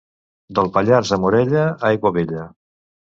Del Pallars a Morella, aigua vella.